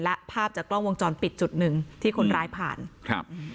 และภาพจากกล้องวงจรปิดจุดหนึ่งที่คนร้ายผ่านครับ